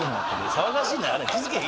騒がしいなやあれへん。